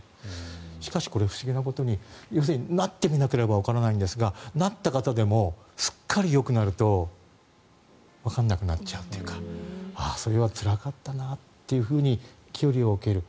しかしこれ、不思議なことになってみないとわからないんですがなった方でもすっかりよくなるとわからなくなっちゃうというかそれはつらかったなと距離を置ける。